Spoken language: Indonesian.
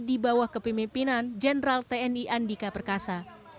di bawah kepemimpinan jenderal tni andika perkasa